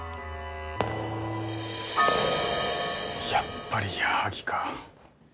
やっぱり矢作か。